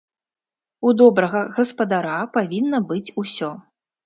У добрага гаспадара павінна быць усё.